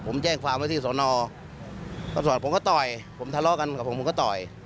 ผมแจ้งความไว้ที่สอนอก็ส่วนผมก็ต่อยผมทะเลาะกันกับผมผมก็ต่อย